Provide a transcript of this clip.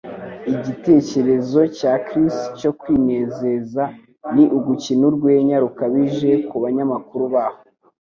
Igitekerezo cya Chris cyo kwinezeza ni ugukina urwenya rukabije kubanyamakuru baho.